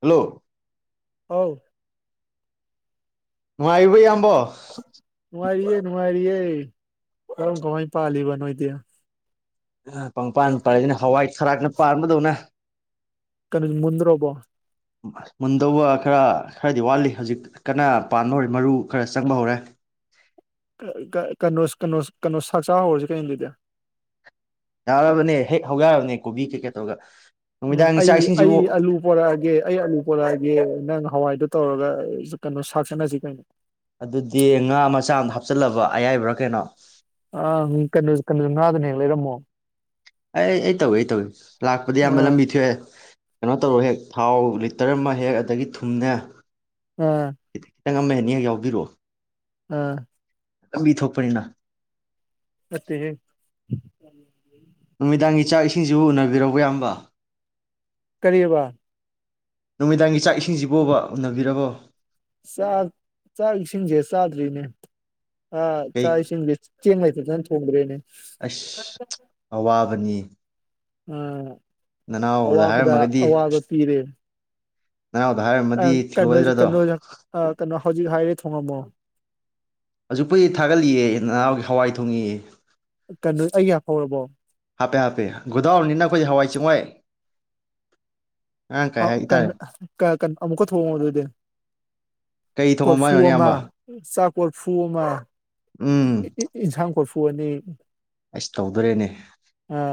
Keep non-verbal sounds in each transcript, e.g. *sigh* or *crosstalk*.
Hello ꯍꯧ ꯅꯨꯡꯉꯥꯏꯔꯤꯕꯣ ꯌꯥꯝ *unintelligible* ꯅꯨꯪꯉꯥꯏꯔꯤꯌꯦ ꯅꯨꯉꯥꯏꯔꯤꯌꯦ ꯀꯔꯝ ꯀꯃꯥꯏ ꯄꯥꯂꯤꯕꯥ ꯅꯣꯏꯗꯤ ꯑꯣꯣꯪꯂꯥꯟ ꯄꯥꯂꯤ ꯍꯥ *unintelligible* ꯇꯔꯛꯅ ꯄꯟꯕꯗꯧꯅ *unintelligible* ꯃꯨꯟꯗꯧꯕ ꯈꯔꯥ ꯈꯔ꯭ꯗꯤ ꯋꯥꯠꯂꯤ ꯍꯧꯖꯤꯛ ꯈꯔꯥ ꯄꯥꯟꯕ ꯍꯧꯔꯦ ꯃꯨꯔꯨ ꯆꯪꯕꯥ ꯍꯧꯔꯦ꯫ *unintelligible* ꯌꯔꯕꯅꯤ ꯍꯦꯛ ꯍꯧ ꯌꯥꯔꯥꯅꯤ ꯂꯣꯕꯤ ꯀꯩꯒꯥ ꯇꯧꯔꯒꯥ ꯑꯩ ꯑꯩ ꯑꯥꯂꯨ ꯄꯨꯔꯀꯥꯒꯦ ꯑꯩ ꯑꯥꯂꯨ ꯄꯨꯔꯀꯥꯒꯦ ꯅꯒ ꯍꯑꯋꯥꯏꯗꯨꯕꯇꯧꯔꯒ ꯁꯛ ꯆꯥꯅꯥꯁꯦ ꯀꯔꯤꯅꯣ ꯑꯗꯨꯗꯤ ꯉꯥ ꯃꯆꯥ ꯑꯃꯥ ꯍꯄꯆꯤꯂꯕ ꯑꯌꯥꯏꯕꯔꯥ ꯀꯔꯤꯅꯣ *unintelligible* ꯀꯔꯤꯅꯣ ꯀꯔꯤꯅꯣ ꯉꯥꯗꯨꯅ ꯍꯦꯛ ꯂꯩꯔ꯭ꯃꯣ ꯑꯩ ꯑꯩ ꯇꯧꯏ ꯑꯩ ꯇꯧꯏ ꯂꯥꯛꯄꯗꯤ ꯑꯕ ꯑꯥ ꯂꯝꯕꯤ ꯊꯣꯛꯑꯦ ꯀꯩꯅꯣ ꯇꯧꯔꯣ ꯍꯦꯛ ꯊꯥꯎ ꯂꯤꯇꯔ ꯑꯃ ꯍꯦꯛ ꯑꯗꯒꯤ ꯊꯨꯝꯅꯦ ꯎꯝ ꯆꯪ *unintelligible* ꯑꯃ ꯑꯅꯤ ꯍꯦꯛ ꯌꯥꯎꯕꯤꯔꯛꯑꯣ ꯑꯥ ꯂꯝꯕꯤ ꯊꯣꯛꯄꯅꯤꯅ ꯑꯠꯇꯦꯍ‌ꯦ *inaudible* ꯅꯨꯃꯤꯗꯥꯡꯒꯤ ꯆꯥꯛ ꯏꯁꯤꯡꯁꯤꯕꯨ ꯎꯅꯕꯤꯔꯛꯎ ꯑꯌꯥꯝꯕ ꯀꯔꯤꯕꯥ ꯅꯨꯃꯤꯗꯥꯡꯒꯤ ꯆꯥꯛ ꯏꯁ ꯏꯁꯤꯡꯁꯤꯕꯣꯕ ꯎꯅꯕꯤꯔꯕꯣ *unintelligible* ꯁꯥ ꯆꯁꯤꯡꯁꯤꯡꯁꯦ ꯁꯥꯇꯔꯤꯅꯦ ꯑꯥ ꯀꯩ ꯆꯥꯁꯤꯒꯗꯤ ꯆꯦꯪ ꯂꯩꯇꯗꯅ ꯊꯣꯡꯗ꯭ꯔꯦꯅꯦ ꯑꯁ ꯑꯋꯥꯕꯅꯤ ꯎꯝ ꯅꯅꯥꯎꯗ ꯑꯋꯥꯕꯗ ꯍꯥꯏꯔꯝꯃꯒꯗꯤ ꯑꯋꯥꯕ ꯄꯤꯔꯦ ꯅꯅꯥꯎꯗ ꯑ ꯍꯥꯏꯔꯝꯃꯗꯤ ꯀꯩꯅꯣ ꯊꯤꯜꯂꯛꯑꯣꯏꯗ꯭ꯔꯗꯣ ꯀꯩꯅꯣ ꯀꯩꯅꯣ ꯍꯧꯖꯤꯛ ꯍꯥꯏꯔꯤ ꯊꯣꯡꯉꯝꯃꯣ ꯍꯧꯖꯤꯛꯄꯨꯗꯤ ꯊꯥꯒꯠꯂꯤꯑꯦ ꯅꯅꯥꯎꯒꯤ ꯍꯋꯥꯏ ꯊꯣꯡꯏꯑꯦ ꯀꯩꯅꯣ ꯑꯩꯒꯤ ꯍꯥꯞꯐꯧꯔꯕꯣ ꯍꯥꯄꯦ ꯍꯥꯄꯦ ꯒꯣꯗꯥꯎꯟꯅꯤꯅꯥ ꯑꯩꯈꯣꯏꯗꯤ ꯍꯋꯥꯏ ꯆꯦꯡꯋꯥꯏ ꯉꯔꯥꯡ ꯀꯥꯏ ꯍꯥꯏ ꯇꯥꯔꯦ ꯑꯃꯨꯛꯀ ꯊꯣꯡꯉꯣ ꯑꯗꯨꯗꯤ ꯀꯩ ꯊꯣꯡꯉꯝꯃꯣ ꯀꯣꯐ꯭ꯔꯨ ꯍꯥꯏꯅꯣ ꯑꯃ ꯏꯌꯥꯝꯕ ꯆꯥꯛ ꯀꯣꯐ꯭ꯔꯨ ꯑꯃ ꯏꯟꯖꯥꯡ ꯀꯣꯐ꯭ꯔꯨ *unintelligible* ꯑꯁ ꯇꯧꯗꯧꯔꯦꯅꯦ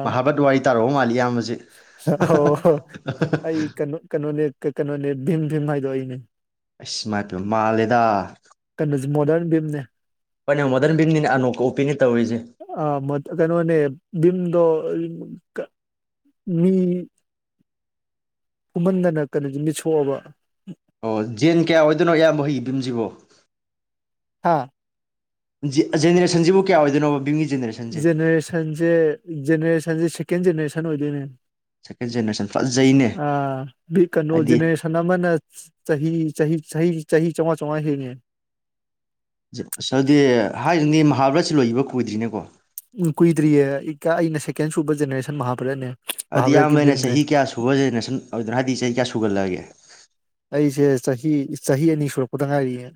ꯃꯍꯥꯕꯔꯠ ꯋꯥꯔꯤ ꯇꯥꯔꯨꯕ ꯃꯥꯜꯂꯦ ꯍ ꯑꯩ ꯀꯩꯅꯣ ꯀꯩꯅꯣꯅꯦ ꯀꯩꯅꯣꯅꯦ ꯕꯤꯝꯅꯦ ꯕꯤꯝ ꯍꯥꯏꯗꯣ ꯑꯩꯅꯦ ꯑꯁ ꯏꯃꯥꯏꯄꯦꯃꯥ ꯃꯥꯜꯂꯦꯗꯥ *unintelligible* ꯃꯣꯗꯟ ꯕꯤꯝꯅꯦ ꯍꯣꯏꯅꯦ ꯃꯣꯔꯗ꯭ꯔꯟ ꯕꯤꯝꯅꯤꯅꯦ ꯑꯅꯣꯞꯀꯥ ꯎꯞꯄꯤꯅꯦ ꯇꯧꯔꯤꯁꯦ ꯑ ꯃ ꯀꯩꯅꯣꯅꯦ ꯕꯤꯝꯗꯣ ꯃꯤ ꯀꯨꯝꯃꯟꯗꯅ ꯀꯩꯅꯣ ꯃꯤꯠ ꯁꯣꯛꯑꯕ ꯑꯣ ꯖꯦꯟ ꯀꯌꯥ ꯑꯣꯏꯗꯣꯏꯅꯣ ꯏꯌꯥꯝꯕ ꯍꯣꯏꯒꯤ ꯕꯤꯝꯖꯤꯕꯣ ꯍꯥꯥ ꯖꯦꯅꯦꯔꯦꯁꯟꯁꯤꯕꯨ ꯀꯌꯥ ꯑꯣꯏꯗꯣꯏꯣ ꯕꯤꯝꯒꯤ ꯖꯅꯦꯔꯦꯁꯟꯁꯦ ꯖꯅꯦꯔꯦꯁꯟ ꯁꯤꯀꯦꯟ ꯖꯅꯦꯔꯦꯁꯟ ꯑꯣꯏꯗꯣꯏꯅꯦ ꯁꯦꯀꯦꯟ ꯖꯦꯅꯦꯔꯦꯁꯟ ꯐꯖꯩꯅꯦ ꯑ ꯍꯥꯏꯗꯤ ꯀꯩꯅꯣꯖꯅꯦꯁꯅ ꯑꯃꯅ ꯆꯍꯤ ꯆꯍꯤ ꯆꯍꯤ ꯆꯥꯎꯉꯥ ꯆꯥꯎꯉꯥ ꯍꯤꯡꯉꯦ ꯑꯁꯗꯤ ꯍꯥꯏꯔꯤꯅꯤ ꯃꯍꯥꯕꯔꯠꯁꯤ ꯂꯣꯏꯕ ꯀꯨꯏꯗ꯭ꯔꯤꯅꯦꯀꯣ ꯎꯝ ꯀꯨꯏꯗ꯭ꯔꯤꯌꯦ ꯑꯩꯅ ꯁꯦꯀꯦꯟ ꯁꯨꯕ ꯖꯦꯅꯦꯔꯦꯁꯟ ꯃꯍꯥꯄꯔꯠꯅꯦ ꯑꯗꯨꯗꯤ ꯏꯌꯥꯝꯕꯅ ꯆꯍꯤ ꯀꯌꯥ ꯁꯨꯕ ꯖꯦꯅꯦꯔꯦꯁꯟ ꯑꯣꯏꯗꯣꯏꯅꯣ ꯍꯥꯏꯗꯤ ꯆꯍꯤ ꯀꯌꯥ ꯁꯨꯕ ꯐꯨꯒꯠꯂꯛꯑꯒꯦ ꯑꯩꯁꯦ ꯆꯍꯤ ꯆꯍꯤ ꯑꯅꯤ ꯁꯨꯔꯛꯄꯗ ꯉꯥꯏꯔꯤꯌꯦ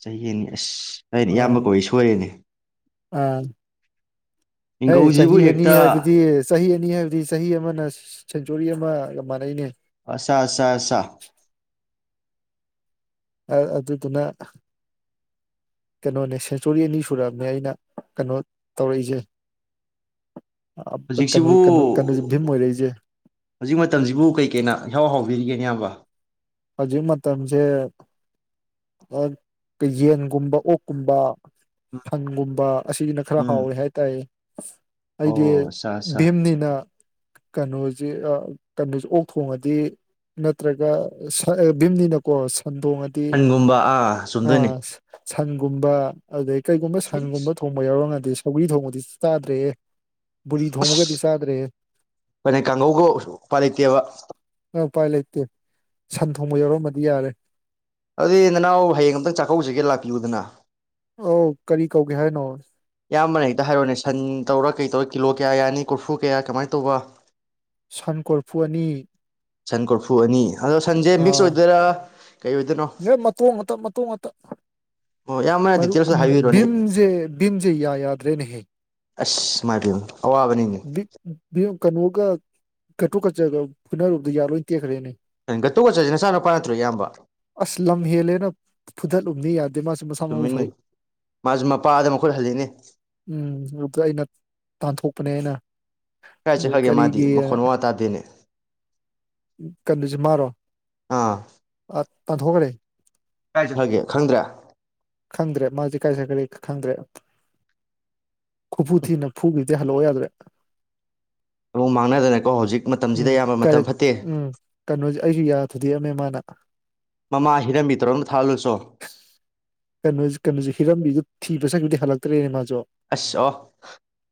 ꯆꯍꯤ ꯅ꯫ꯑꯅꯤ ꯑꯁ ꯑꯩꯅ ꯏꯌꯥꯝꯕ ꯀꯧꯏ ꯁꯣꯏꯔꯦꯅꯦ ꯑꯥ ꯍ ꯃꯤꯡꯒꯧꯁꯤꯕꯨ ꯆꯍꯤ ꯑꯅꯤ ꯍꯦꯛꯇ ꯍꯥꯏꯕꯗꯤ ꯆꯍꯤꯅꯤ ꯑꯅꯤ ꯍꯥꯏꯕꯗꯤ ꯆꯍꯤ ꯑꯃꯅ ꯁꯦꯟꯆꯨꯔꯤ ꯑꯃꯒ ꯃꯥꯟꯅꯩꯅꯦ ꯑꯁꯥ ꯑꯁꯥ ꯑꯁꯥ ꯑꯗꯨꯗꯨꯅ ꯀꯩꯅꯣꯅꯦ ꯁꯦꯟꯆꯨꯔꯤ ꯑꯅꯤ ꯁꯨꯔꯑꯝꯃꯦ ꯑꯩꯅ ꯀꯩꯅꯣ ꯇꯧꯔꯛꯏꯁꯦ ꯀꯩꯅꯣ ꯍꯧꯖꯤꯛꯁꯤꯕꯨ ꯀꯩꯅꯣ ꯀꯩꯅꯣꯁꯦ ꯚꯤꯝ ꯑꯣꯏꯔꯛꯏꯁꯦ ꯍꯧꯖꯤꯛ ꯃꯇꯝꯁꯤꯕꯨ ꯀꯩ ꯀꯩꯅ ꯏꯍꯥꯎ ꯍꯥꯎꯔꯤꯒꯦ ꯕꯤꯔꯤꯌꯦ ꯏꯌꯥꯝꯕ ꯍꯧꯖꯤꯛ ꯃꯇꯝꯁꯦ ꯌꯥꯝ ꯌꯦꯟꯒꯨꯝꯕ ꯑꯣꯛꯀꯨꯝꯕ ꯁꯪꯒꯨꯝꯕ ꯑꯁꯤ-ꯁꯤꯅ ꯈꯔ ꯎꯝ ꯍꯥꯎꯋꯦ ꯍꯥꯏꯇꯥꯏ ꯑꯣ ꯑꯩꯗꯤ ꯑꯠꯆꯥ ꯑꯠꯆꯥ ꯚꯤꯝꯅꯤꯅ ꯀꯩꯅꯣꯁꯦ ꯑꯥ ꯀꯩꯅꯣꯁꯦ ꯑꯣꯛ ꯊꯣꯡꯉꯗꯤ ꯅꯠꯇ꯭ꯔꯒ ꯑꯥ-ꯁꯥ-ꯕꯤꯝꯅꯤꯅ ꯀꯣ ꯑꯟꯒꯨꯝꯕ ꯑꯥ ꯆꯨꯝꯗꯣꯏꯅꯤ ꯑꯥ ꯁꯟꯒꯨꯝꯕ ꯑꯗꯩ- ꯀꯩꯒꯨꯝꯕ ꯁꯟꯒꯨꯝꯕ ꯊꯣꯡꯕ ꯌꯥꯎꯔꯝꯃ ꯗꯩ ꯁꯧꯒ꯭ꯔꯤ ꯊꯣꯡꯕꯗꯨꯁꯨ ꯆꯥꯗ꯭ꯔꯦ ꯑꯁ-ꯄꯨꯅꯤꯀꯥꯡꯍꯧꯒ ꯎꯄꯥꯏ ꯂꯩꯇꯦꯍꯦ ꯎꯄꯥꯏ ꯂꯩꯇꯦ ꯁꯟ ꯊꯣꯡꯕ ꯌꯥꯎꯔꯝꯃꯗꯤ ꯌꯥꯔꯦ ꯑꯗꯨꯗꯤ ꯅꯅꯥꯎ ꯍꯌꯦꯡ ꯑꯝꯇ ꯆꯥꯛꯀꯧꯖꯒꯦ ꯂꯥꯛꯄꯤꯌꯨꯗꯅ ꯑꯧ-ꯀꯔꯤ ꯀꯧꯒꯦ ꯍꯥꯏꯅꯣ ꯏꯌꯥꯝꯕꯅ ꯍꯦꯛꯇ ꯍꯥꯏꯔꯣꯅꯦ ꯁꯟ ꯇꯧꯔꯥ ꯀꯩ ꯇꯧꯋꯣꯕ ꯀꯤꯂꯣ ꯀꯌꯥ ꯌꯥꯅꯤ ꯀꯣꯜꯐꯨ ꯀꯌꯥ ꯀꯃꯥꯏ ꯇꯧꯕ ꯁꯟ ꯀꯣꯔꯐꯨ ꯑꯅꯤ ꯁꯟ ꯀꯣꯔꯐꯨ ꯑꯅꯤ ꯗꯣ ꯁꯟꯁꯦ ꯃꯤꯛꯁ ꯑꯣꯏꯗꯣꯏꯔꯥ ꯀꯩ ꯑꯣꯏꯗꯣꯏꯅꯣ ꯑꯦꯍ-ꯃꯇꯣꯡ ꯉꯥꯛꯇ ꯃꯇꯣꯡ ꯉꯥꯛꯇ ꯑꯣ ꯏꯌꯥꯝꯕꯅ ꯃꯥꯔꯨꯞ ꯗꯤꯇꯦꯜꯁꯇ ꯍꯥꯏꯕꯤꯔꯣꯅꯦ ꯎꯨꯝ-ꯚꯤꯝꯁꯦ-ꯚꯤꯝꯁꯦ ꯌꯥ-ꯌꯥꯗꯔ ꯍꯣꯏꯅꯦꯍꯦ ꯑꯁ ꯃꯗꯨ ꯕꯤꯞ‌ ꯕꯤꯝ ꯀꯩꯅꯣꯒ ꯒꯇꯣꯒꯠꯆꯒ ꯐꯨꯅꯔꯨꯕꯗ ꯌꯥ ꯂꯣꯏ ꯇꯦꯛꯈ꯭ꯔꯦꯅꯦ ꯒꯠꯇꯣꯒꯠꯆꯁꯤ ꯅꯆꯥꯅꯨꯄꯥ ꯅꯠꯇ꯭ꯔꯣ ꯏꯌꯥꯝꯕ ꯑꯁ ꯂꯝ ꯍꯦꯜꯂꯦꯅ ꯐꯨꯗꯠꯂꯨꯕꯅꯤ ꯌꯥꯗꯦ ꯃꯥꯁꯨ ꯃꯁꯥ-ꯃꯋꯨ ꯆꯨꯝꯃꯤꯅꯤ ꯐꯩ ꯃꯥꯁꯨ ꯃꯄꯥꯗ ꯃꯈꯨꯠ ꯍꯜꯂꯤꯅꯦ ꯎꯝ ꯑꯗꯩ ꯑꯩꯅ ꯅꯥꯑꯢꯟꯊꯣꯛ ꯄꯅꯦ ꯑꯩꯅ ꯀꯥꯏ ꯆꯠꯈ꯭ꯔꯒꯦ ꯃꯥꯗꯤ ꯃꯈꯣꯟ ꯃꯋꯥ ꯇꯥꯗꯦꯅꯦ ꯀꯅꯣꯖꯦ ꯃꯥꯔꯣ ꯑꯥ ꯑꯥꯠ ꯇꯥꯊꯣꯛꯈ꯭ꯔꯦ ꯀꯥꯏ ꯆꯠꯈ꯭ꯔꯒꯦ ꯈꯪꯗꯦ ꯈꯪꯗ꯭ꯔꯦ ꯃꯥꯁꯦ ꯀꯥꯏ ꯆꯠꯈ꯭ꯔꯒꯦ ꯈꯪꯗꯦ ꯈꯨꯐꯨ ꯊꯤꯅ ꯐꯨꯒꯤꯗꯩ ꯍꯜꯂꯛꯑꯣ ꯌꯥꯗ꯭ꯔꯦ ꯑꯃꯨꯛ ꯃꯥꯡꯅꯗꯅꯀꯣ ꯍꯧꯖꯤꯛ ꯃꯇꯝꯁꯤꯗ ꯎꯨꯝ ꯑꯌꯥꯝꯕ ꯀꯜꯂꯤ ꯃꯇꯝ ꯐꯠꯇꯦ ꯎꯨꯝ ꯀꯩꯅꯦꯖꯦ ꯑꯩꯁꯨ ꯌꯥ ꯊꯨꯗꯦꯛꯑꯝꯃꯦ ꯃꯥꯅ ꯕꯥꯑ ꯃꯃꯥ ꯍꯤꯔꯝꯕꯤꯗꯔ ꯑꯝ ꯊꯛꯍꯜꯂꯨꯆꯣ ꯀꯩꯅꯣꯖꯤ-ꯀꯩꯅꯣꯖꯤ ꯍꯤꯔꯝꯕꯤꯁꯦ ꯊꯤꯕ ꯆꯠꯈꯤꯗꯩ ꯍꯂꯛꯇ꯭ꯔꯦꯅꯦ ꯃꯥꯖꯨ ꯑꯁ-ꯑꯣ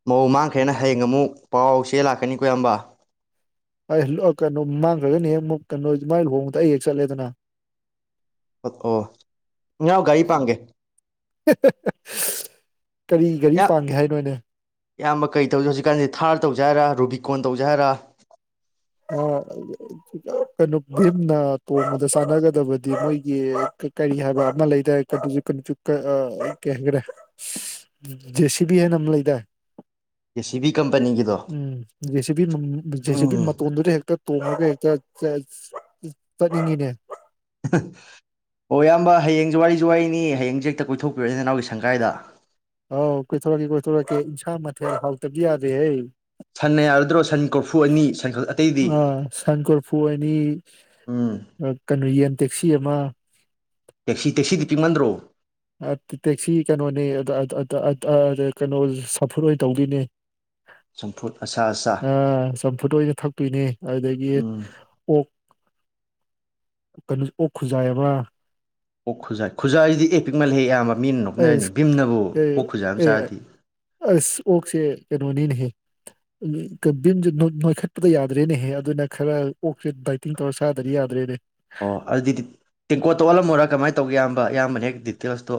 ꯃꯧ ꯃꯥꯡꯈ꯭ꯔꯦꯅ ꯍꯌꯦꯡ ꯑꯃꯨꯛ ꯄꯥꯎ-ꯆꯦ ꯂꯥꯛꯀꯅꯤꯀꯣ ꯏꯌꯥꯝꯕ ꯑ-ꯂꯣꯏ ꯀꯩꯅꯣ ꯃꯥꯡꯈ꯭ꯔꯒꯅ ꯍꯦꯛ ꯃꯨꯛ ꯀꯩꯅꯣ ꯃꯥꯏ ꯂꯨꯍꯣꯡꯕꯗ ꯑꯩ ꯍꯦꯛ ꯆꯠꯂꯦꯗꯅ ꯑꯣ ꯅꯪ ꯒꯔꯤ ꯄꯥꯡꯒꯦ ꯀꯔꯤ ꯒꯥꯔꯤ ꯄꯥꯡꯒꯦ ꯍꯥꯏꯅꯣꯅꯦ ꯏꯌꯥꯝꯕ ꯀꯔꯤ ꯇꯧꯖꯦ ꯍꯧꯖꯤꯛꯀꯥꯟꯗꯤ ꯊꯥꯔ ꯇꯧꯖꯦ ꯍꯥꯏꯔꯥ ꯔꯨꯕꯤꯀꯣꯔꯟ ꯇꯧꯖꯦ ꯍꯥꯏꯔꯥ ꯑꯥ ꯀꯩꯅꯣ ꯚꯤꯝꯅ ꯇꯣꯡꯕꯗ ꯆꯥꯟꯅꯒꯗꯕꯗꯤ ꯃꯣꯏꯒꯤ ꯀꯔꯤ ꯍꯥꯏꯕ ꯑꯃ ꯂꯩꯗꯥꯏ ꯑꯥ ꯀꯔꯤ ꯍꯥꯏꯒ꯭ꯔꯦ ꯖꯦꯁꯤꯕꯤ ꯑꯃ ꯂꯩꯗꯥꯏ ꯖꯦ ꯁꯤ ꯕꯤ ꯀꯝꯄꯅꯤꯒꯤꯗꯣ ꯎꯨꯝ ꯖꯦꯁꯤꯕꯤ ꯃ ꯖꯦꯁꯤꯕꯤ ꯎꯝ ꯃꯠ ꯍꯦꯛꯇ ꯇꯣꯡꯉꯒ ꯍꯦꯛꯇ ꯆꯠꯅꯤꯡꯏ ꯅꯦ ꯑꯣ ꯏꯌꯥꯝꯕ ꯍꯌꯦꯡꯖꯦ ꯋꯥꯔꯤꯖꯨ ꯋꯥꯔꯤꯅꯤ ꯍꯌꯦꯡꯖꯦ ꯍꯦꯛꯇ ꯀꯣꯏꯊꯣꯛꯄꯤ ꯔꯛꯑꯣꯅꯦ ꯅꯅꯥꯎꯒꯤ ꯁꯪꯒꯥꯏꯗ ꯑꯥꯎ ꯀꯣꯏꯊꯣꯔꯛꯀꯦ ꯀꯣꯏꯊꯣꯔꯛꯀꯦ ꯏꯟꯁꯥꯡ ꯃꯊꯦꯜ ꯍꯥꯎꯇꯕꯗꯤ ꯌꯥꯗꯦꯍꯦ ꯁꯟꯅ ꯌꯥꯔꯗ꯭ꯔꯣ ꯁꯟ ꯀꯣꯔꯐꯨ ꯑꯅꯤ ꯑꯇꯩꯗꯤ ꯑ ꯁꯟ ꯀꯣꯔꯐꯨ ꯑꯅꯤ ꯎꯨꯝ ꯀꯩꯅꯣ *inaudible* ꯇꯦꯛꯁꯤ ꯇꯦꯛꯁꯤꯗꯤ ꯄꯤꯛꯃꯟꯗ꯭ꯔꯣ ꯑꯥ ꯇꯦꯛꯁꯤ ꯀꯩꯅꯣꯅꯦ ꯑꯗ ꯁꯐꯨꯔꯣꯏ ꯇꯧꯗꯣꯏꯅꯦ ꯆꯝꯐꯨꯠ ꯑꯁꯥ ꯑꯁꯥ ꯑꯥ ꯆꯝꯐꯨꯠ ꯑꯣꯏꯅ ꯊꯛꯇꯣꯏꯅꯦ ꯑꯗꯒꯤ ꯎꯝ ꯑꯣꯛ ꯑꯣꯛ ꯈꯨꯖꯥꯏ ꯑꯃ ꯑꯣꯛ ꯈꯨꯖꯥꯏ ꯈꯨꯖꯥꯏꯖꯤꯗꯤ ꯑꯦ ꯄꯤꯛꯃꯜꯂꯦꯍꯦ ꯏꯌꯥꯝꯕ ꯃꯤꯅ ꯅꯣꯛꯅꯔꯅꯤ ꯑꯁ ꯚꯤꯝꯅꯕꯨ ꯑꯦ ꯑꯣꯛ ꯈꯨꯖꯥꯏ ꯑꯃ ꯑꯦ ꯆꯥꯔꯗꯤ ꯑꯁ ꯑꯣꯛꯁꯦ ꯀꯩꯅꯣꯅꯤꯅꯦꯍꯦ ꯚꯤꯝꯖꯦ ꯅꯣꯏꯈꯠꯄꯗ ꯌꯥꯗ꯭ꯔꯦꯍꯦ ꯑꯗꯨꯅ ꯈꯔ ꯑꯣꯛꯁꯦ ꯗꯥꯏꯇꯤꯡ ꯇꯧꯔꯒ ꯆꯥꯗ꯭ꯔꯗꯤ ꯌꯥꯗ꯭ꯔꯦꯅꯦꯍꯦ ꯑꯣ ꯇꯧ ꯏꯌꯥꯝꯕ ꯏꯌꯥꯝꯕꯅ ꯍꯦꯛ ꯗꯤꯇꯦꯜꯁꯇꯣ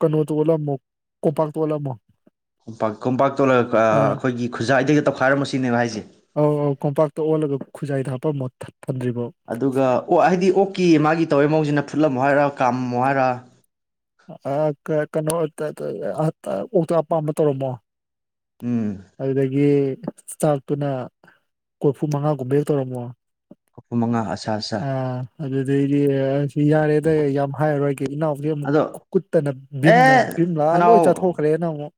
ꯀꯩꯅꯣꯗꯣ ꯑꯣꯠꯂꯝꯃꯣ ꯀꯣꯝꯄꯥꯛꯇꯣ ꯑꯣꯠꯂꯝꯃꯣ ꯀꯣꯝꯄꯥꯛ ꯀꯣꯝꯄꯥꯛ ꯇꯣꯠꯂꯒ ꯑ ꯑꯈꯣꯏꯒꯤ ꯈꯨꯖꯥꯏꯗꯩꯒ ꯇꯧꯈꯥꯏꯔꯝꯃꯣ ꯁꯤꯅꯦꯕ ꯍꯥꯏꯖꯦ ꯑꯥꯎ ꯑꯥꯎ ꯀꯣꯝꯄꯥꯛꯇ ꯑꯣꯜꯂꯒ ꯈꯨꯖꯥꯏꯗ ꯍꯥꯞꯄꯝꯃꯣ ꯊꯠ ꯑꯗꯨꯒ ꯑꯣ ꯍꯥꯏꯗꯤ ꯑꯣꯛꯀꯤ ꯃꯥꯒꯤ ꯇꯧꯕꯩ ꯃꯑꯣꯡꯖꯤꯅ ꯐꯨꯠꯂꯝꯃꯣ ꯍꯥꯏꯔꯥ ꯀꯥꯝꯃꯝꯃꯣ ꯍꯥꯏꯔꯥ ꯑ ꯀꯩꯅꯣ ꯇ ꯇ ꯑ ꯑꯣꯛꯇꯣ ꯑꯄꯥꯝꯕ ꯇꯧꯔꯝꯃꯣ ꯎꯝ ꯑꯗꯨꯗꯒꯤ ꯆꯥꯛꯇꯨꯅ ꯀꯣꯔꯐꯨ ꯃꯉꯥꯒꯨꯝꯕ ꯍꯦꯛ ꯇꯧꯔꯝꯃꯣ ꯀꯣꯔꯐꯨ ꯃꯉꯥ ꯑꯁꯥ ꯑꯁꯥ ꯑꯥ ꯑꯗꯨꯗꯩꯗꯤ ꯁꯤ ꯌꯥꯔꯦꯗ ꯌꯥꯝ ꯍꯥꯏꯔꯔꯣꯏꯒꯦ ꯏꯅꯥꯎꯗꯤ ꯑꯃꯨꯛ ꯑꯗꯣ ꯀꯨꯠꯇꯅ ꯚꯤꯝꯅ ꯑꯦ ꯚꯤꯝ ꯂꯥꯛꯑꯒ ꯂꯣꯏ ꯅꯅꯥꯎ ꯆꯥꯊꯣꯛꯈ꯭ꯔꯦꯅ ꯑꯃꯨꯛ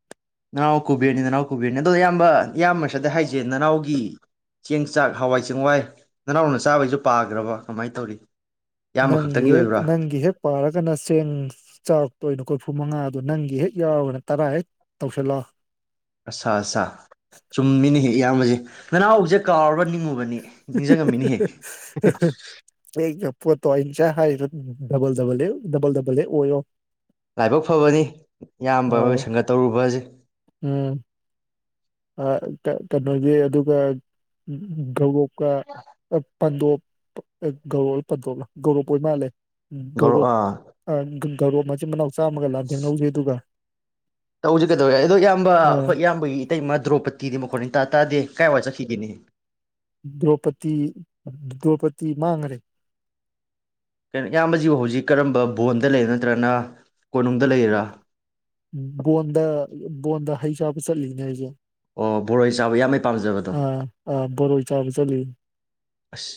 ꯅꯅꯥꯎ ꯀꯨꯕꯦꯔꯅꯤ ꯅꯅꯥꯎ ꯀꯨꯕꯦꯔꯅꯤ ꯑꯗꯣ ꯏꯌꯥꯝꯕ ꯏꯌꯥꯝ ꯁꯤꯗ ꯍꯥꯏꯁꯦ ꯅꯅꯥꯎꯒꯤ ꯆꯦꯡ ꯆꯥꯛ ꯍꯋꯥꯏ ꯆꯦꯡꯋꯥꯏ ꯅꯅꯥꯎꯅ ꯆꯥꯕꯩꯁꯨ ꯄꯥꯈ꯭ꯔꯕ ꯀꯃꯥꯏꯅ ꯇꯧꯔꯤ ꯏꯌꯥꯝꯕ ꯅꯪꯒꯤ ꯈꯛꯇꯪꯒꯤ ꯍꯦꯛ ꯑꯣꯏꯕ꯭ꯔꯥ ꯅꯪꯒꯤ ꯍꯦꯛ ꯄꯥꯔꯒꯅ ꯆꯦꯡ ꯆꯥꯛ ꯇꯣꯏꯅꯦ ꯀꯐꯨ ꯃꯉꯥꯗꯣ ꯅꯪꯒꯤ ꯍꯦꯛ ꯌꯥꯎꯔꯒꯅ ꯇꯔꯥ ꯍꯦꯛ ꯇꯧꯁꯤꯜꯂꯣ ꯑꯆꯥ ꯑꯆꯥ ꯆꯨꯝꯃꯤꯅꯤ ꯍꯦ ꯏꯌꯥꯝꯕꯁꯦ ꯅꯅꯥꯎꯁꯦ ꯀꯥꯎꯔꯕ ꯅꯤꯡꯉꯨꯕꯅꯤ ꯅꯤꯡꯁꯤꯡꯉꯝꯃꯤꯅꯦꯍꯦ ꯑꯩ ꯄꯣꯠꯇꯣ ꯑꯩ ꯍꯥꯏꯔꯤꯗꯣ ꯗꯕꯜ ꯗꯕꯜ ꯗꯕꯜ ꯗꯕꯜ ꯑꯣꯏꯌꯣ ꯂꯥꯏꯕꯛ ꯐꯕꯅꯤ ꯏꯌꯥꯝꯕ ꯍꯣꯏꯒ ꯑꯥ ꯁꯪꯒ ꯇꯧꯔꯨꯕ ꯑꯁꯤ ꯎꯝ ꯀꯩꯅꯣꯒꯤ ꯑꯗꯨꯒ ꯊꯧꯗꯣꯛ ꯀ ꯄꯥꯟꯗꯣꯞ ꯒꯧꯔꯣꯞꯂ ꯄꯟꯗꯣꯞꯂ ꯒꯧꯔꯣꯞ ꯑꯣꯏꯔ ꯃꯥꯜꯂꯦ ꯒꯧꯔ ꯒꯧꯔꯣꯞ ꯑꯥ ꯑ ꯀꯧꯔꯣꯞ ꯃꯆꯤꯟ ꯃꯅꯥꯎ ꯆꯥꯝꯃꯒ ꯂꯥꯟꯊꯦꯡꯅꯧꯖꯩ ꯑꯗꯨꯒ ꯇꯧꯁꯤ ꯀꯩꯗꯧꯔꯒꯦ ꯑꯗꯣ ꯏꯌꯥꯝꯕ ꯑꯩꯈꯣꯏ ꯏꯌꯥꯝꯕꯒꯤ ꯏꯇꯩꯃ ꯗ꯭ꯔꯣꯄ ꯇꯤꯗꯤ ꯃꯈꯣꯟ ꯏꯇꯥ ꯇꯥꯗꯦ ꯀꯥꯏ ꯋꯥꯏꯗ ꯆꯠꯈꯤꯒꯦꯅꯦ ꯗ꯭ꯔꯧꯄꯗꯤ ꯗ꯭ꯔꯣꯄꯗꯤ ꯃꯥꯡꯒꯔꯦ ꯩꯅꯣ ꯏꯌꯥꯝꯕꯁꯤꯕꯨ ꯍꯧꯖꯤꯛ ꯀꯔꯝꯕ ꯕꯣꯟꯗ ꯂꯩ ꯅꯠꯇ꯭ꯔꯒꯅ ꯀꯣꯅꯨꯡꯗ ꯂꯩꯔꯤꯔꯥ ꯕꯣꯟꯗ ꯕꯣꯟꯗ ꯍꯩ ꯆꯥꯕ ꯆꯠꯂꯤꯅꯦ ꯑꯩꯖꯦ ꯑꯣ ꯕꯣꯔꯣꯏ ꯆꯥꯕ ꯏꯌꯥꯝꯕꯩ ꯄꯥꯝꯖꯕꯗꯣ ꯑꯥ ꯕꯣꯔꯣꯏ ꯆꯥꯕ ꯆꯠꯂꯤ ꯑꯁ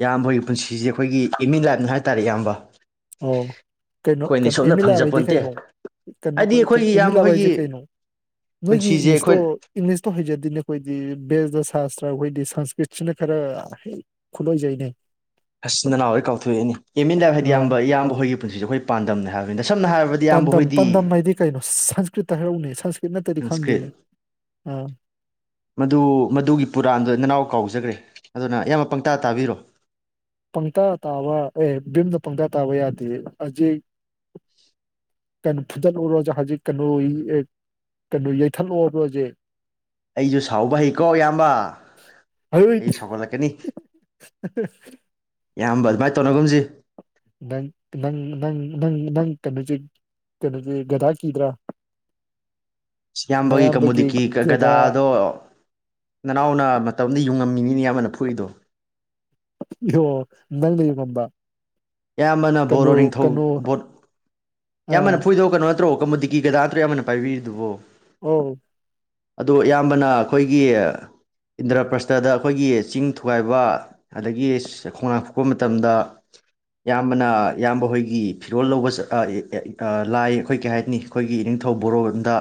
ꯏꯌꯥꯝꯕꯒꯤ ꯄꯨꯟꯁꯤꯁꯦ ꯑꯩꯈꯣꯏꯒꯤ ꯑꯦꯝ ꯏꯟ ꯂꯥꯏꯞꯅꯤ ꯍꯥꯏ ꯇꯥꯔꯦ ꯏꯌꯥꯝꯕ ꯑꯣ ꯀꯩꯅꯣ ꯑꯩꯈꯣꯏꯅ ꯑꯦꯝ ꯁꯣꯝꯅ ꯏꯟ ꯂꯥꯏ꯭ꯐ ꯍꯥꯏꯗꯤ ꯐꯪꯖꯄꯣꯟꯇꯦ ꯀꯩꯅꯣ ꯀꯩꯅꯣ ꯍꯥꯏꯗꯤ ꯑꯩꯈꯣꯏꯒꯤ ꯑꯦꯝ ꯏꯟ ꯏꯌꯥꯝꯕ ꯂꯥꯏ꯭ꯐ ꯍꯣꯏꯒꯤ ꯍꯥꯏꯁꯦ ꯀꯩꯅꯣ ꯅꯣꯏꯒꯤ ꯄꯨꯟꯁꯤꯁꯦ ꯏꯪꯂꯤꯁꯇꯣ ꯑꯩꯈꯣꯏ ꯏꯪꯂꯤꯁꯇꯣ ꯍꯩꯖꯗꯦꯅꯦ ꯑꯩꯈꯣꯏꯗꯤ ꯕꯦꯁ ꯁꯥꯁꯇ꯭ꯔ ꯑꯩꯈꯣꯏꯗꯤ ꯁꯪꯁꯀ꯭ꯔꯤꯠꯁꯤꯅ ꯈꯔ ꯍꯦꯛ ꯈꯨꯂꯣꯏꯖꯩꯅꯦ ꯑꯁ ꯅꯅꯥꯎ ꯍꯣꯏꯗꯤ ꯀꯥꯎꯊꯣꯛꯑꯦꯅꯤ ꯑꯦꯝ ꯏꯟ ꯂꯥꯏ꯭ꯐ ꯍꯥꯏꯗꯤ ꯑꯥ ꯏꯌꯥꯝꯕ ꯏꯌꯥꯝꯕ ꯅꯣꯏꯒꯤ ꯄꯨꯟꯁꯤꯁ ꯑ ꯩꯈꯣꯏꯒꯤ ꯄꯥꯟꯗꯝꯅꯦ ꯍꯥꯏꯕꯅꯤꯗ ꯁꯝꯅ ꯍꯥꯏꯔꯕꯗ ꯏꯌꯥꯝꯕ ꯄꯥꯟꯗꯝ ꯍꯣꯏꯗꯤ ꯄꯥꯟꯗꯝ ꯍꯥꯏꯗꯤ ꯀꯩꯅꯣ ꯁꯪꯁꯀ꯭ꯔꯤꯠꯇ ꯍꯥꯏꯔꯛ ꯎꯅꯦ ꯁꯪꯁꯀ꯭ꯔꯤꯠ ꯃꯗꯨ ꯃꯗꯨꯒꯤ ꯄꯨꯔꯥꯟꯗꯨ ꯅꯅꯥꯎ ꯀꯥꯎꯖꯒ꯭ꯔꯦ ꯑꯗꯨꯅ ꯏꯌꯥꯝꯕ ꯄꯪꯇꯥ ꯇꯥꯕꯤꯔꯣ ꯄꯪꯇꯥ ꯇꯥꯕ ꯑꯦ ꯕꯤꯝꯅ ꯄꯪꯇꯥ ꯇꯥꯕ ꯌꯥꯗꯦ ꯍꯧꯖꯤꯛ ꯀꯩꯅꯣ ꯐꯨꯗꯠꯂꯨꯔꯣ ꯍꯧꯖꯤꯛ ꯀꯩꯅꯣ ꯀꯩꯅꯣ ꯌꯩꯊꯠꯂꯛ ꯍꯥꯏꯕꯔꯣ ꯍꯧꯖꯤꯛ ꯑꯩꯁꯨ ꯁꯥꯎꯕ ꯍꯩꯀꯣ ꯏꯌꯥꯝꯕ ꯍꯩꯠ ꯑꯩꯁꯨ ꯁꯥꯎꯒꯠꯂꯛꯀꯅꯤ ꯏꯌꯥꯝꯕ ꯑꯗꯨꯃꯥꯏꯅ ꯇꯧꯅꯒꯨꯝꯁꯤ ꯅꯪ ꯅꯪ ꯅꯪ ꯅꯪ ꯅꯪ ꯀꯩꯅꯣꯁꯦ ꯀꯩꯅꯣꯁꯦ ꯒꯗꯥ ꯀꯤꯗ꯭ꯔꯥ ꯏꯌꯥꯝꯕꯒꯤ ꯅꯌꯥꯝꯕꯒꯤ ꯀꯃꯨꯗꯤꯀꯤ ꯒꯙꯥ ꯒꯗꯥꯗꯣ ꯅꯅꯥꯎꯅ ꯃꯇꯝꯗ ꯌꯨꯡꯉꯝꯃꯤꯅꯤꯅꯤ ꯏꯌꯥꯝꯕꯅ ꯐꯨꯏꯗꯣ ꯑꯣ ꯅꯪꯅ ꯌꯨꯡꯂꯝꯕ ꯏꯌꯥꯝꯕꯅ ꯕꯣꯔꯣ ꯅꯤꯡꯊꯧ ꯕꯣꯠ ꯑꯥ ꯏꯌꯥꯝꯕꯅ ꯐꯨꯛ ꯏꯗꯣ ꯀꯩꯅꯣ ꯅꯠꯇ꯭ꯔꯣ ꯀꯃꯣꯗꯤ ꯀꯤ ꯒꯗꯥ ꯅꯠꯇꯔꯣ ꯏꯌꯥꯝꯕꯅ ꯄꯥꯏꯕꯤꯔꯤꯗꯨꯕꯣ ꯑꯧ ꯑꯗꯨ ꯏꯌꯥꯝꯕꯅ ꯑꯩꯈꯣꯏꯒꯤ ꯏꯟꯗ꯭ꯔ ꯄ꯭ꯔꯁꯇꯗ ꯑꯩꯈꯣꯏꯒꯤ ꯆꯤꯡ ꯊꯨꯒꯥꯏꯕ ꯑꯗꯒꯤ ꯈꯣꯡꯅꯥꯡ ꯐꯨꯛꯄ ꯃꯇꯝꯗ ꯏꯌꯥꯝꯕꯅ ꯏꯌꯥꯝꯕ ꯍꯣꯏꯒꯤ ꯐꯤꯔꯣꯜ ꯂꯧꯕ ꯂꯥꯏ ꯑꯩꯈꯣꯏ ꯀꯩ ꯍꯥꯏꯅꯤ ꯑꯩꯈꯣꯏꯒꯤ ꯏꯅꯤꯡꯊꯧ ꯕꯣꯔꯣꯗ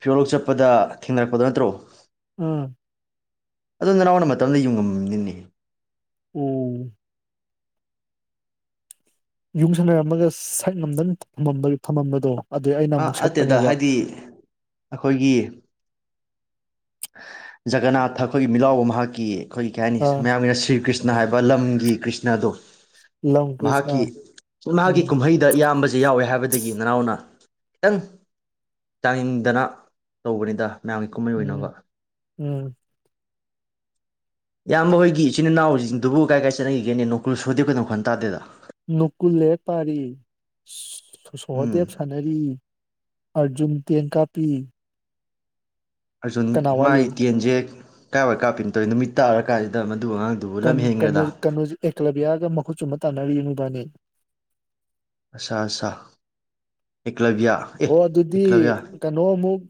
ꯐꯤꯔꯣꯜ ꯂꯧ ꯆꯠꯄꯗ ꯊꯦꯡꯅꯔꯛꯄꯗꯣ ꯅꯠꯇ꯭ꯔꯣ ꯎꯝ ꯑꯗꯨ ꯅꯅꯥꯎꯅ ꯃꯇꯝ ꯑꯝꯗ ꯌꯨꯡꯉꯝꯅꯤꯅꯦ ꯎꯝ ꯌꯨꯡꯁꯟꯅꯔꯝꯃꯒ ꯁꯠ ꯉꯝꯗꯟ ꯊꯃꯝꯕ ꯊꯃꯝꯕꯗꯣ ꯑ ꯑꯇꯦꯗ ꯍꯥꯏꯗꯤ ꯑꯈꯣꯏꯒꯤ ꯖꯒꯅꯥꯠꯊ ꯑꯈꯣꯏꯒꯤ ꯃꯤꯠꯂꯥꯎꯕ ꯃꯍꯥꯛꯀꯤ ꯑꯈꯣꯏ *unintelligible* ꯑꯥ ꯃꯌꯥꯝꯒꯤꯅ ꯁ꯭ꯔꯤ ꯀ꯭ꯔꯤꯁ ꯅ ꯍꯥꯏꯕ ꯂꯝꯒꯤ ꯀ꯭ꯔꯤꯁꯅꯗꯣ ꯂꯝ ꯀ꯭ꯔꯤꯁꯅ ꯃꯍꯥꯛꯀꯤ ꯏꯃꯥꯒꯤ ꯎꯝ ꯀꯨꯝꯍꯩꯗ ꯏꯌꯥꯝꯕꯁꯤ ꯌꯥꯎꯋꯦ ꯍꯥꯏꯕꯗꯒꯤ ꯅꯅꯥꯎꯅ ꯇꯪ ꯇꯥꯅꯤꯡꯗꯅ ꯇꯧꯕꯅꯤꯗ ꯃꯌꯥꯝꯒꯤ ꯀꯨꯝꯃꯩ ꯎꯝ ꯑꯣꯏꯅꯕ ꯎꯝ ꯏꯌꯥꯝꯕ ꯍꯣꯏꯒꯤ ꯏꯆꯤꯟ ꯏꯅꯥꯎꯖꯤꯡꯗꯨꯕꯨ ꯀꯥꯏ ꯀꯥꯏ ꯆꯠꯅꯈꯤꯒꯦꯅꯦ ꯅꯣꯀꯨꯜ ꯁꯣꯍꯗꯦꯕ ꯀꯗꯨ ꯃꯈꯣꯜ ꯇꯥꯗꯦꯗ ꯅꯣꯀꯨꯜ ꯂꯥꯏꯔꯤꯛ ꯄꯥꯔꯤ ꯁ ꯁꯣ ꯁꯣ ꯎꯝ ꯁꯣꯍꯗꯦꯕ ꯁꯥꯅꯔꯤ ꯑꯔꯖꯨꯟ ꯇꯦꯟ ꯀꯥꯞꯄꯤ ꯑꯔ ꯀꯅꯥ ꯋꯥꯠꯂꯤ ꯃꯥꯒꯤ ꯇꯦꯟꯖꯦ ꯀꯥꯏꯋꯥꯏ ꯀꯄꯤꯝ ꯇꯧꯏꯝ ꯅꯨꯃꯤꯠ ꯇꯥꯔꯀꯥꯟ ꯁꯤꯗ ꯃꯟ ꯀꯟ ꯀꯅꯣ ꯀꯅꯣꯖꯨ ꯑꯦꯛꯀ꯭ꯂꯕꯤꯌꯥꯒ ꯃꯈꯨꯠ ꯆꯨꯝꯕ ꯇꯥꯟꯅꯔꯤ ꯃꯣꯏꯕꯥꯅꯤ ꯑꯠꯁꯥ ꯁꯥ ꯍꯣ ꯑꯗꯨꯗꯤ ꯀꯅꯣ ꯑꯃꯨꯛ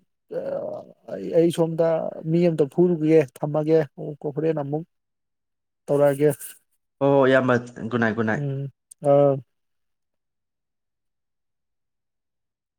ꯑꯩ ꯑꯩ ꯁꯣꯝꯗ ꯃꯤ ꯑꯝꯇ ꯐꯨꯔꯨꯒꯦ ꯊꯝꯃꯒꯦ ꯍꯣ ꯍꯣꯔꯦꯟ ꯑꯃꯨꯛ ꯇꯧꯔꯛ ꯑꯒꯦ ꯍꯣ ꯏꯌꯥꯝꯕ ꯒꯨꯗꯅꯥꯏꯠ ꯒꯨꯗꯅꯥꯏꯠ ꯑ